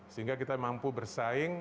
sehingga kita mampu bersaing